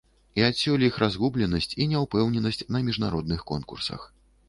І адсюль іх разгубленасць і няўпэўненасць на міжнародных конкурсах.